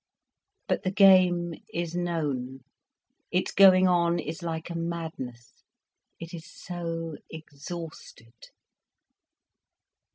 But the game is known, its going on is like a madness, it is so exhausted.